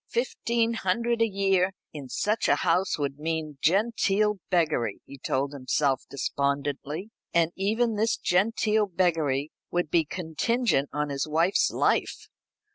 Fifteen hundred a year in such a house would mean genteel beggary, he told himself despondently. And even this genteel beggary would be contingent on his wife's life.